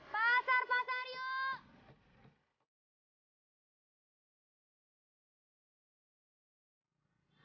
pasar pasar yuk